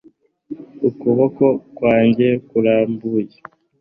ukuboko kwanjye kurambuye